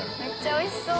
おいしそう。